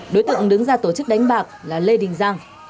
đối tượng đứng ra tổ chức đánh bạc là lê đình giang